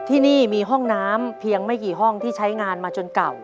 ที่นี่มีห้องน้ำเพียงไม่กี่ห้องที่ใช้งานมาจนเก่า